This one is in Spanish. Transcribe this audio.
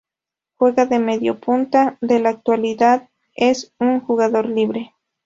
Juega de mediapunta, en la actualidad es un jugador libre.